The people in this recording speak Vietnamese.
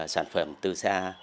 sản phẩm từ xa